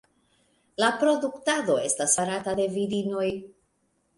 La produktado esta farata de virinoj.